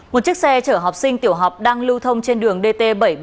một chiếc xe chở học sinh tiểu học đang lưu thông trên đường dt bảy trăm bốn mươi